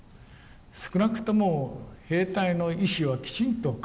少なくとも兵隊の意思はきちんと確認をする。